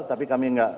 tapi kami enggak